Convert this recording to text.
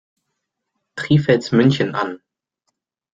Trifels München an.